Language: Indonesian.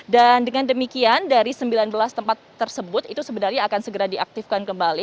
dan dengan demikian dari sembilan belas tempat tersebut itu sebenarnya akan segera diaktifkan kembali